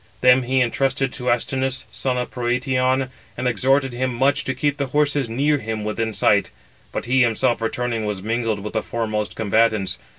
Them he intrusted to Astynous, son of Protiaon, and exhorted him much to keep the horses near him within sight; but he himself returning was mingled with the foremost combatants.